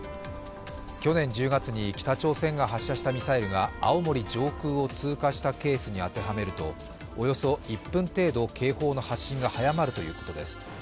去年１０月に北朝鮮が発射したミサイルが青森上空を通過したケースに当てはめるとおよそ１分程度警報の発信が早まるということです。